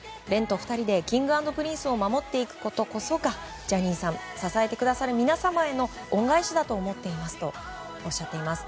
２人でＫｉｎｇ＆Ｐｒｉｎｃｅを守っていくことがジャニーさん、支えてくださる皆様への恩返しだと思っていますとおっしゃっています。